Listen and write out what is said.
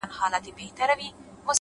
پوه انسان د هر حالت معنا لټوي’